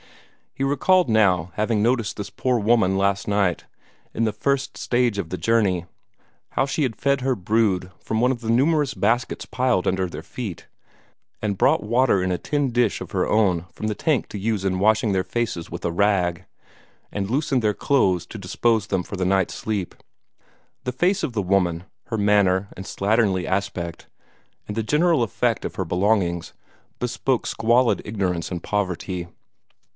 He recalled now having noticed this poor woman last night, in the first stage of his journey how she fed her brood from one of the numerous baskets piled under their feet, and brought water in a tin dish of her own from the tank to use in washing their faces with a rag, and loosened their clothes to dispose them for the night's sleep. The face of the woman, her manner and slatternly aspect, and the general effect of her belongings, bespoke squalid ignorance and poverty.